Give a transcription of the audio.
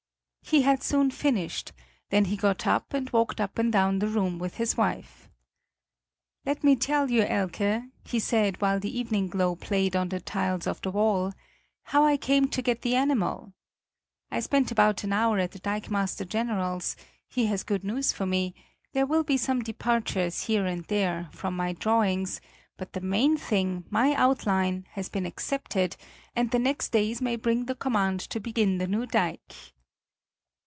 He had soon finished; then he got up and walked up and down the room with his wife. "Let me tell you, Elke," he said, while the evening glow played on the tiles of the wall, "how I came to get the animal. I spent about an hour at the dikemaster general's; he has good news for me there will be some departures, here and there, from my drawings; but the main thing, my outline, has been accepted, and the next days may bring the command to begin the new dike."